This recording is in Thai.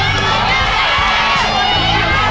นั่นแหละ